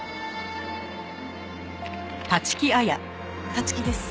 立木です。